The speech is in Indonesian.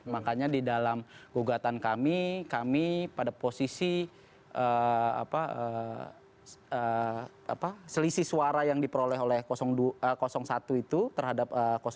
makanya di dalam gugatan kami kami pada posisi selisih suara yang diperoleh oleh satu itu terhadap satu